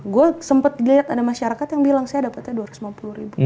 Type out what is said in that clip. gue sempet liat ada masyarakat yang bilang saya dapatnya rp dua ratus lima puluh